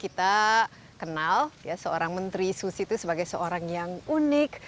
kita kenal seorang menteri susi itu sebagai seorang yang unik